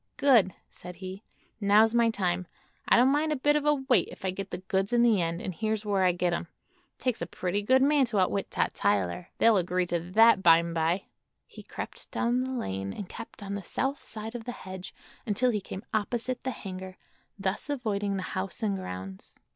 "Good!" said he; "now's my time. I don't mind a bit of a wait if I get the goods in the end; and here's where I get 'em. It takes a pretty good man to outwit Tot Tyler. They'll agree to that, by'm'by." He crept down the lane and kept on the south side of the hedge until he came opposite the hangar, thus avoiding the house and grounds.